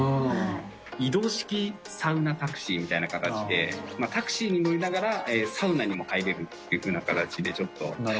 移動式サウナタクシーみたいな形で、タクシーに乗りながら、サウナにも入れるっていうような形で、ちょっと。